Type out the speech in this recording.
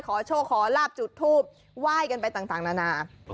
ขอโชคขอลาบจุดทูบไหว้กันไปต่างนานา